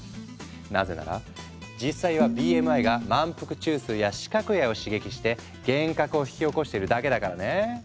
なぜなら実際はＢＭＩが満腹中枢や視覚野を刺激して幻覚を引き起こしてるだけだからね。